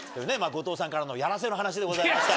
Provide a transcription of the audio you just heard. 後藤さんからのやらせの話でございました。